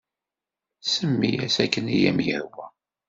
Semmi-as akken ay am-yehwa.